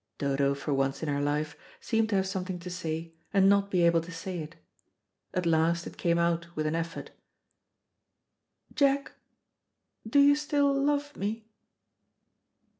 Dodo, for once in her life, seemed to have something to say, and not be able to say it. At last it came out with an effort. "Jack, do you still love me?"